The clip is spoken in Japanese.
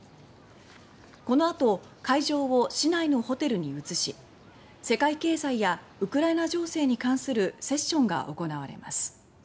このあと会場を市内のホテルに移し世界経済やウクライナ情勢に関するセッションが行われます。